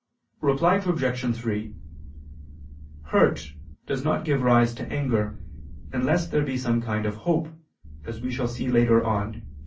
Reply Obj. 3: Hurt does not give rise to anger unless there be some kind of hope, as we shall see later on (Q.